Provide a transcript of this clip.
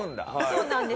そうなんです。